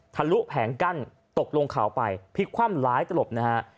ทะลุแผงกั้นตกลงเขาไปพลิกคว่ำหลายตลบนะฮะ